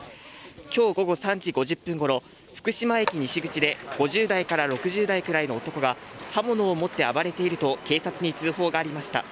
今日午後３時５０分ごろ、福島駅西口で５０代から６０代くらいの男が刃物を持って暴れていると警察に通報がありました。